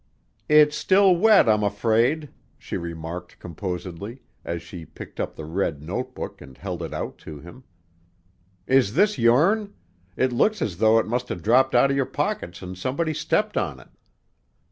"It's wet still, I'm afraid," she remarked composedly, as she picked up the red note book and held it out to him. "Is this yourn? It looks as though it must have dropped out of your pocket an' somebody stepped on it."